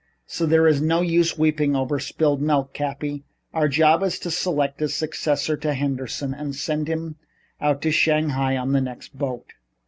So there is no use weeping over spilled milk, Cappy. Our job is to select a successor to Henderson and send him out to Shanghai on the next boat."